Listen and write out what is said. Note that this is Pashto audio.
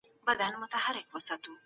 مرګ هیڅ ډول فزیکي درد نه لري.